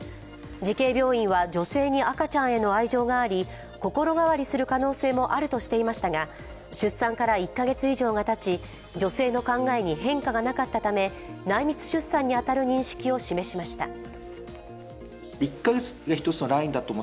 慈恵病院は女性に赤ちゃんへの愛情があり心変わりする可能性もあるとしていましたが出産から１カ月以上がたち、女性の考えに変化がなかったため、内密出産に当たる認識を示しました。